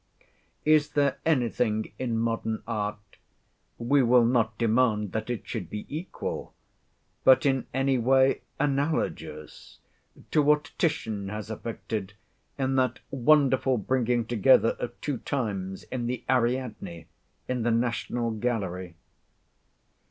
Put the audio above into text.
Is there anything in modern art—we will not demand that it should be equal—but in any way analogous to what Titian has effected, in that wonderful bringing together of two times in the "Ariadne," in the National Gallery?